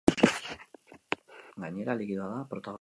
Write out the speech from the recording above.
Gainera, likidoa da protagonista nagusia.